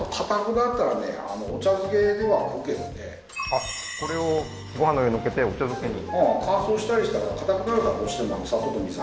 はいこれをご飯の上に載っけてお茶漬けに？